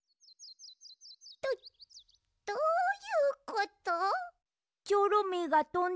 どどういうこと？